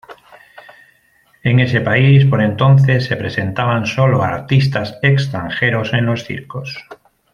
En ese país por entonces se presentaban solo artistas extranjeros en los circos.